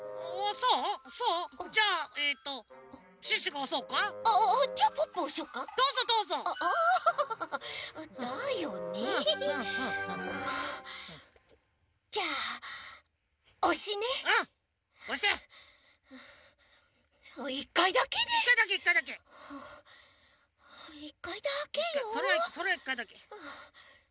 それはそれは１かいだけ。